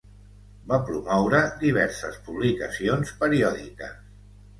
Va promoure diverses publicacions periòdiques.